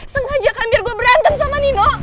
sengaja kan biar gue berantem sama nino